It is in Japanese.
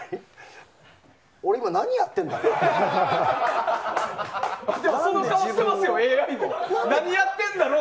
俺、今、何やってんだろ？